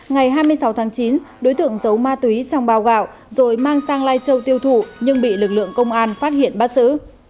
ngày hai mươi sáu tháng chín đối tượng giấu ma túy trong bao gạo rồi mang sang lai châu tiêu thụ nhưng bị lực lượng công an phát hiện bắt giữ